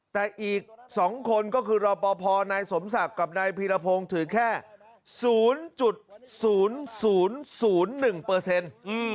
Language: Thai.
แต่อีก๒คนก็คือรอปภนายสมศักดิ์กับนายพีรพงศ์ถือแค่๐๐๐๑เปอร์เซ็นต์